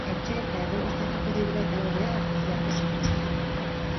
Etxe eta herri guztietako dirua eta urrea arpilatu zituzten.